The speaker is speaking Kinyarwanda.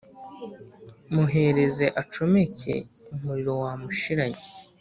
Muhereze acomeke umuriro wamushiranye